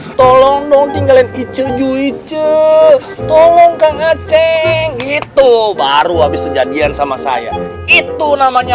acing tolong dong tinggalin icu icu tolong kang acing itu baru habis kejadian sama saya itu namanya